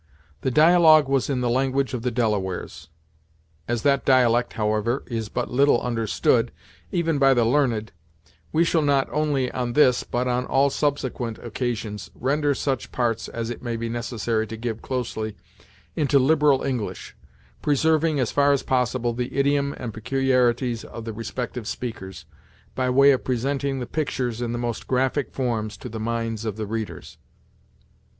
The dialogue was in the language of the Delawares. As that dialect, however, is but little understood, even by the learned; we shall not only on this, but on all subsequent occasions render such parts as it may be necessary to give closely, into liberal English; preserving, as far as possible, the idiom and peculiarities of the respective speakers, by way of presenting the pictures in the most graphic forms to the minds of the readers.